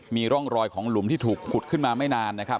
มีร่องรอยของหลุมที่ถูกขุดขึ้นมาไม่นานนะครับ